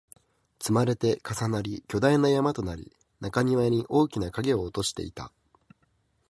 積まれて、重なり、巨大な山となり、中庭に大きな影を落としていた